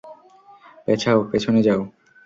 পেছাও, পেছনে যাও।